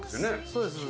そうです。